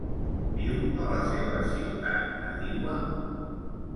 Viu a la seva ciutat nadiua?